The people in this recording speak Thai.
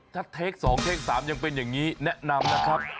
ถ้าเทค๒เทค๓ยังเป็นอย่างนี้แนะนำนะครับ